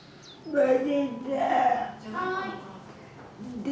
・はい。